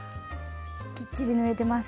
きっちり縫えてます。